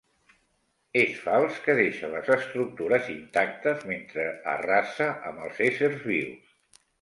És fals que deixe les estructures intactes mentre arrasa amb els éssers vius.